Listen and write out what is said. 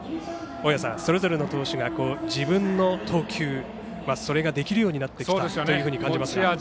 それぞれの投手が自分の投球それができるようになってきたというふうに感じますか。